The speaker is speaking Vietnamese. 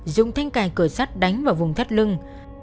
dùng thanh cài cửa sắt đánh vào vùng thắt lưng